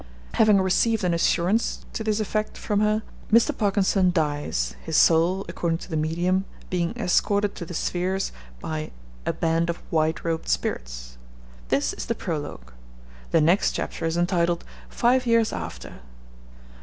Having received an assurance to this effect from her, Mr. Parkinson dies, his soul, according to the medium, being escorted to the spheres by 'a band of white robed spirits.' This is the prologue. The next chapter is entitled 'Five Years After.'